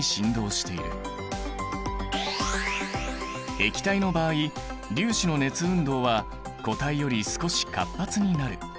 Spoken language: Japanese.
液体の場合粒子の熱運動は固体より少し活発になる。